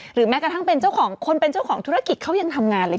แม้กระทั่งเป็นเจ้าของคนเป็นเจ้าของธุรกิจเขายังทำงานเลย